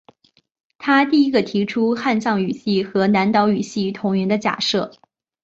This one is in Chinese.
他第一个提出汉藏语系和南岛语系同源的假设。